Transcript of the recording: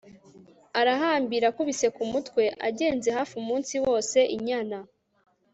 arahambira. akubise ku mutwe. agenze hafi umunsi wose, inyana